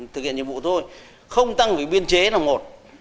thực hiện nhiệm vụ thôi không tăng vì biên chế là một